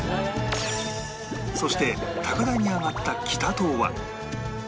そして高台に上がった北棟は